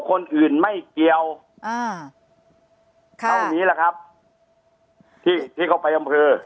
คนอื่นไม่เกี่ยวอ่าเท่านี้แหละครับที่ที่เขาไปอำเภอ